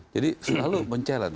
jadi selalu mencabar